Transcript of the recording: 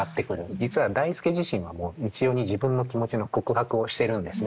実は代助自身はもう三千代に自分の気持ちの告白をしてるんですね。